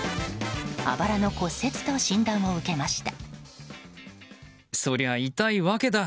あばらの骨折と診断を受けました。